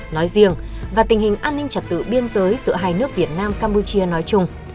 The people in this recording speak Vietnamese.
nói riêng và tình hình an ninh trật tự biên giới giữa hai nước việt nam campuchia nói chung